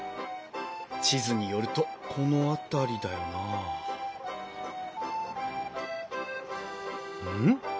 地図によるとこの辺りだよなうん？